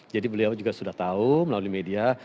jadi beliau juga sudah tahu melalui media